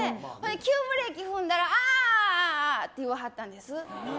急ブレーキ踏んだらあーあって言わはったんです。